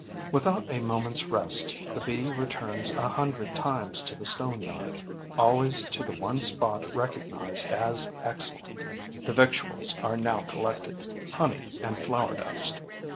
Without a moment's rest, the Bee returns a hundred times to the stone yard, always to the one spot recognized as excellent. The victuals are now collected: honey and flower dust.